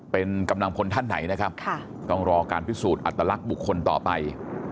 เป็นกำลังพลท่านไหนนะครับต้องรอการพิสูจน์อัตลักษณ์บุคคลต่อไป